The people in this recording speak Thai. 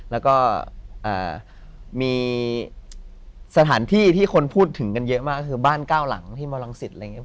แล้วก็มีสถานที่ที่คนพูดถึงกันเยอะมากก็คือบ้านเก้าหลังที่มรังสิตอะไรอย่างนี้